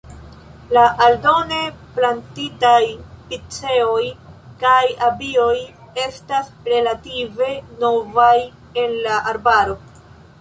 La aldone plantitaj piceoj kaj abioj estas relative novaj en la arbaro.